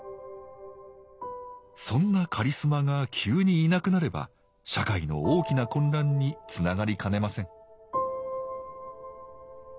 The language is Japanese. そんなカリスマが急にいなくなれば社会の大きな混乱につながりかねません